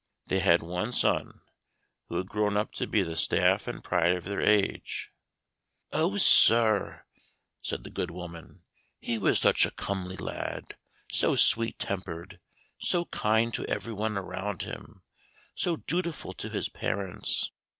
They had one son, who had grown up to be the staff and pride of their age. "Oh, sir!" said the good woman, "he was such a comely lad, so sweet tempered, so kind to every one around him, so dutiful to his parents!